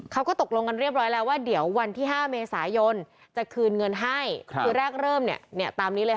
เขาก็ตกลงกันเรียบร้อยแล้วว่าเดี๋ยววันที่๕เมษายนจะคืนเงินให้คือแรกเริ่มเนี่ยเนี่ยตามนี้เลยค่ะ